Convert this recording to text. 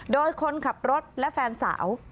โดยคนขับรถและแฟนสาว